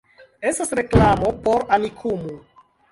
Estas reklamo por Amikumu